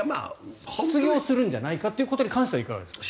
失業するんじゃないかということに関してはいかがですか？